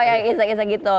yang isek isek gitu